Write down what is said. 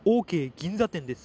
銀座店です。